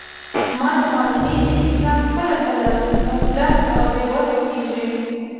ماته معلومیږي، انسان کله کله مفلس او بې وسه کیږي.